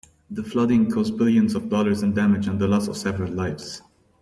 The flooding caused billions of dollars in damage and the loss of several lives.